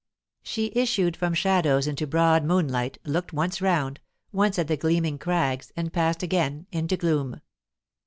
She issued from shadows into broad moonlight, looked once round, once at the gleaming crags, and passed again into gloom.